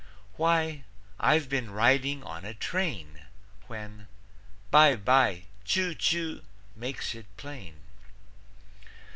Why "I've been riding on a train," When "By by, Choo choo" makes it plain?